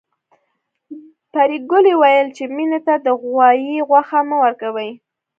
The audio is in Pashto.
پريګلې ويل چې مينې ته د غوايي غوښه مه ورکوئ